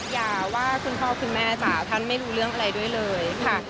อย่าว่าคุณพ่อคุณแม่จ๋าท่านไม่รู้เรื่องอะไรด้วยเลยค่ะ